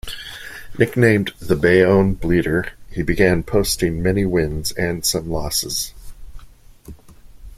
Nicknamed "The Bayonne Bleeder," he began posting many wins and some losses.